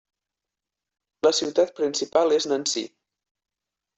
La ciutat principal és Nancy.